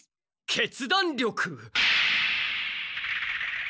決断力？